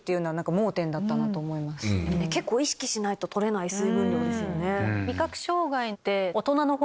結構意識しないと取れない水分量ですよね。